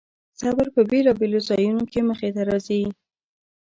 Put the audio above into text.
صبر په بېلابېلو ځایونو کې مخې ته راځي.